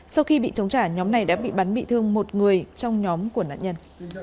sau khi bị chống trả nhóm này đã bị bắn bị thương một người trong nhóm của nạn nhân